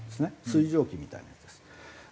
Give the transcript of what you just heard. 水蒸気みたいなやつです。